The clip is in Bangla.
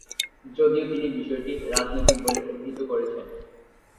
যদিও তিনি বিষয়টি রাজনৈতিক বলে অভিহিত করেছেন।